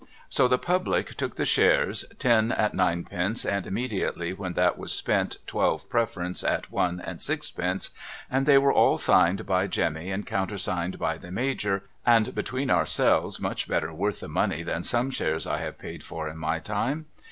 So, the Public took the shares— ten at ninepence, and immediately when that was spent twelve Preference at one and sixpence — and they were all signed by Jemmy and countersigned by the Major, and between ourselves much better worth the money than some shares I have paid for in my time.